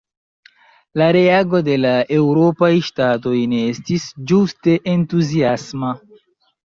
La reago de la eŭropaj ŝtatoj ne estis ĝuste entuziasma.